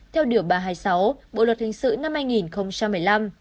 theo điều ba trăm hai mươi sáu bộ luật hình sự năm hai nghìn một mươi năm